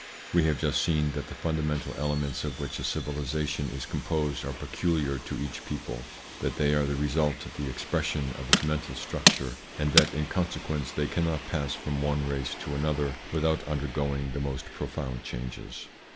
We have just seen that the fundamental elements of which a civilisation is composed are peculiar to each people, that they are the result, the expression of its mental structure, and that in consequence they cannot pass from one race to another without under going the most profound changes.